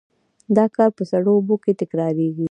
دا کار په سړو اوبو کې تکرار کړئ.